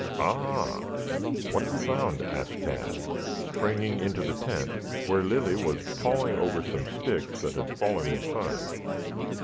Ah!" "What have you found?" asked Tad, springing into the tent where Lilly was pawing over some sticks that had fallen inside.